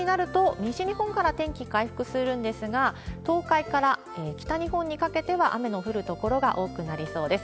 火曜日になると、西日本から天気回復するんですが、東海から北日本にかけては、雨の降る所が多くなりそうです。